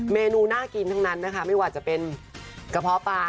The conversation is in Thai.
เมนูน่ากินทั้งนั้นนะคะไม่ว่าจะเป็นกระเพาะปลา